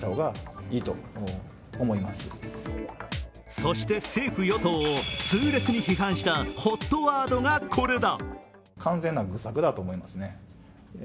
そして、政府・与党を痛烈に批判したＨＯＴワードがこれだ。